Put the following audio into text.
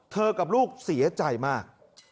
กับลูกเสียใจมาก